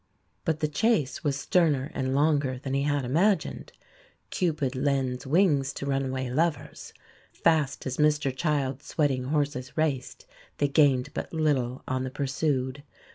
But the chase was sterner and longer than he had imagined. Cupid lends wings to runaway lovers. Fast as Mr Child's sweating horses raced, they gained but little on the pursued.